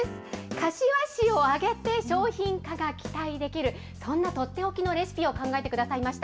柏市を挙げて商品化が期待できる、そんな取って置きのレシピを考えてくださいました。